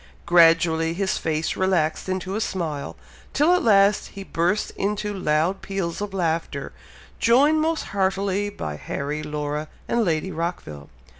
Gradually his face relaxed into a smile, till at last he burst into loud peals of laughter, joined most heartily by Harry, Laura, and Lady Rockville.